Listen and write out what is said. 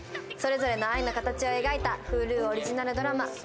それぞれの愛の形を描いたＨｕｌｕオリジナルドラマ